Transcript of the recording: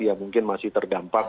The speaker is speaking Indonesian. yang mungkin masih terdampak